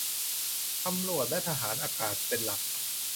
ตำรวจและทหารอากาศ เป็นหลัก